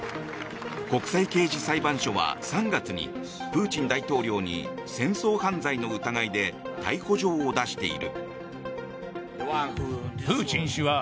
国際刑事裁判所は、３月にプーチン大統領に戦争犯罪の疑いで逮捕状を出している。